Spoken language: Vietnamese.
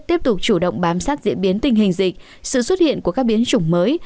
bộ y tế tiếp tục chủ động bám sát diễn biến tình hình dịch sự xuất hiện của các biến chủng mới